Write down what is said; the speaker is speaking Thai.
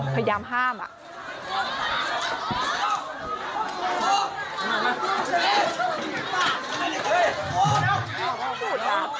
พยายามห้ามอ่ะ